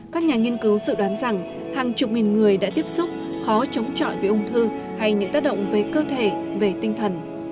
các nhà nghiên cứu dự đoán rằng hàng chục nghìn người đã tiếp xúc khó chống chọi với ung thư hay những tác động về cơ thể về tinh thần